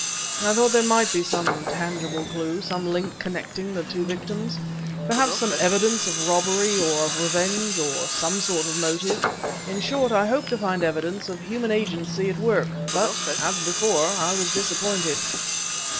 I thought there might be some tangible clue, some link connecting the two victims; perhaps some evidence of robbery or of revenge of some sort of motive. In short, I hoped to find evidence of human agency at work, but, as before, I was disappointed."